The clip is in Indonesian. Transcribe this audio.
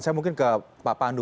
saya mungkin ke pak pandu